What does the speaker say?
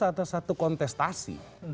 atas satu kontestasi